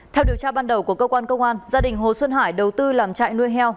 theo điều tra ban đầu của cơ quan công an gia đình hồ xuân hải đầu tư làm chạy nuôi heo